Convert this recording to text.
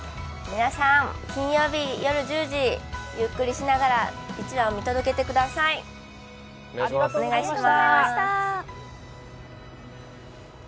皆さん、金曜日夜１０時、ゆっくりしながら１話を見届けてください、お願いします。